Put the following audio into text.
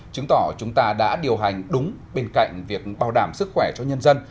chứng tỏ chúng ta đã điều hành đúng bên cạnh việc bảo đảm sức khỏe cho nhân dân